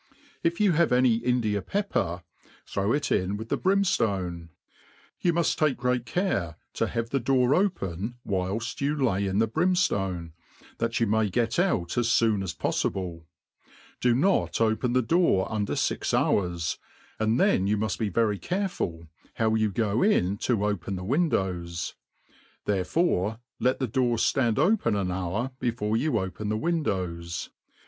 If you have any India pepper, throw it in wi(h the brimftone. You muft take great care to have the door op€n whilft you lay in the brimftone, that you may gee out as fopn as poffibleP. Do not open the door iinder fix hours, and then you muft be very careful how you go in to open the windows ; therefore let the doors ftand open an hour before you open the windows.